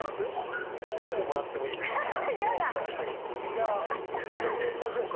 じゃあ私読みましょうか？